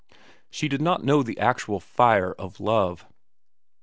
She did not know the actual fire of love.